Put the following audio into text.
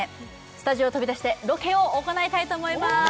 スタジオを飛び出してロケを行いたいと思います